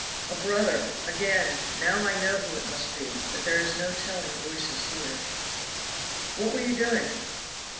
"A brother! again! now I know who it must be, but there is no telling voices here." "What were you doing?"